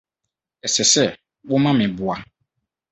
Ɛsɛ sɛ woma meboa.